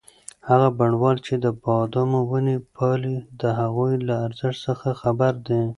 هغه بڼوال چې د بادامو ونې پالي د هغوی له ارزښت څخه خبر دی.